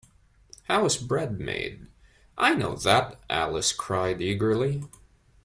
How is bread made? ‘I know that!’ Alice cried eagerly.